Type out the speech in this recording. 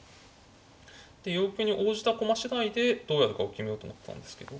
で要求に応じた駒次第でどうやるかを決めようと思ってたんですけど。